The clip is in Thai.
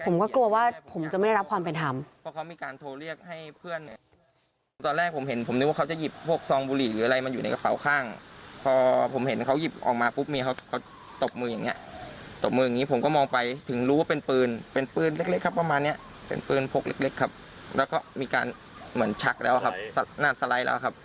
ผมก็กลัวว่าผมจะไม่ได้รับความเป็นธรรม